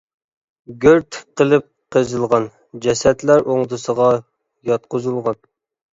گۆر تىك قىلىپ قېزىلغان، جەسەتلەر ئوڭدىسىغا ياتقۇزۇلغان.